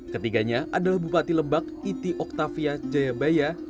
ketiganya adalah bupati lebak iti oktavia jayabaya